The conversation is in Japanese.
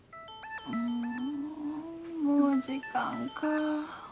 んもう時間か。